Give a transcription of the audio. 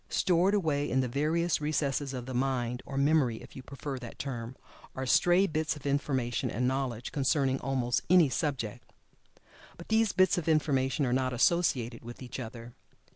Stored away in the various recesses of the mind, or memory if you prefer that term, are stray bits of information and knowledge concerning almost any subject. But these bits of information are not associated with each other.